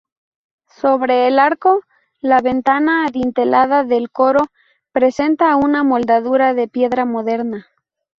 Sobre el arco, la ventana adintelada del coro presenta una moldura de piedra moderna.